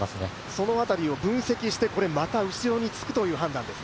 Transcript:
その辺りを分析して、これまた後ろにつくという判断です。